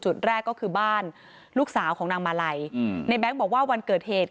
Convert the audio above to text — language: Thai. จุดแรกก็คือบ้านลูกสาวของนางมาลัยในแง๊งบอกว่าวันเกิดเหตุ